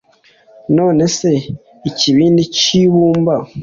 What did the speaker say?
none se ikibindi cy'ibumba